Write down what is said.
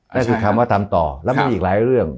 นั่นคือคำว่าทำต่อแล้วมีอีกหลายเรื่อง